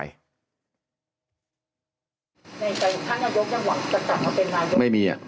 ในใจท่านนายกยังหวังจะกลับมาเป็นนายก